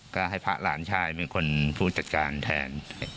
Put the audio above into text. ก็ให้พระหลานชายเป็นคนผู้จัดการแทน